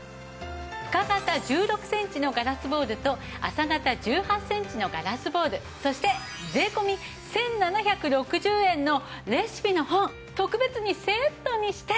深型１６センチのガラスボウルと浅型１８センチのガラスボウルそして税込１７６０円のレシピの本特別にセットにして。